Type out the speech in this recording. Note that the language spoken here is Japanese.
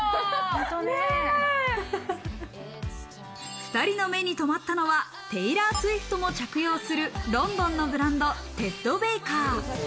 ２人の目にとまったのは、テイラー・スウィフトも着用するロンドンのブランド、テッドベーカー。